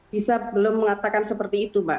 bisa belum mengatakan seperti itu mbak